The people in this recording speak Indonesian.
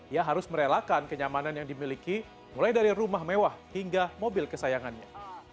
ia harus merelakan kenyamanan yang dimiliki mulai dari rumah mewah hingga mobil kesayangannya